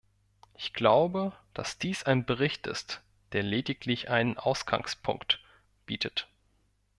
Ich glaube, dass dies ein Bericht ist, der lediglich einen Ausgangspunkt bietet.